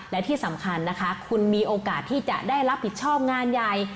และที่สำคัญนะคะคุณมีโอกาสที่จะได้รับผิดชอบงานใหญ่